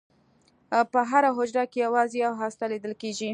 په هره حجره کې یوازې یوه هسته لیدل کېږي.